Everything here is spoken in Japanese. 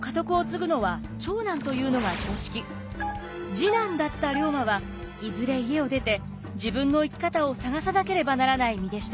次男だった龍馬はいずれ家を出て自分の生き方を探さなければならない身でした。